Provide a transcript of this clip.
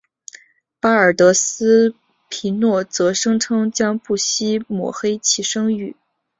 巴尔德斯皮诺则声称将不惜抹黑其声誉。